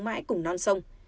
mãi cùng non sông